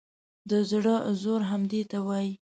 د زړه زور همدې ته وایي.